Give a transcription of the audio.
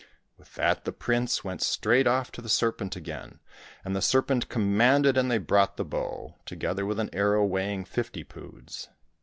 With that the prince went straight off to the serpent again, and the serpent commanded and they brought the bow, together with an arrow weighing fifty poods.